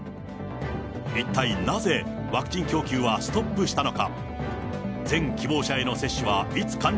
一体なぜ、ワクチン供給はストップしたのか。